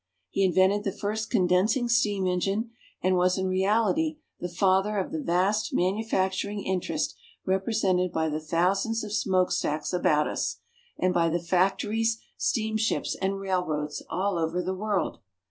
He invented the first condensing steam engine, and was in reality the father of the vast manufacturing interest represented by the thousands of smokestacks about us, and by the fac tories, steamships, and railroads all over the world.